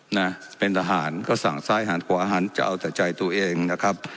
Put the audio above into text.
นะเป็นทหารก็สั่งซ้ายหันขวาหันจะเอาแต่ใจตัวเองนะครับ